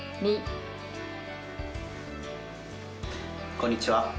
こんにちは。